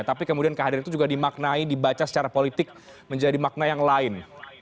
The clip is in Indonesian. tapi kemudian kehadiran itu juga dimaknai dibaca secara politik menjadi makna yang lain